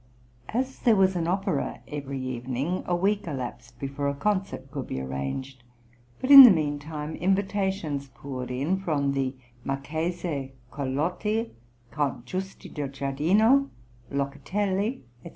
As there was an opera every evening, a week elapsed before a concert could be arranged; but in the meantime invitations poured in from the Marchese Carlotti, Count Giusti del Giardino, Locatelli, &c.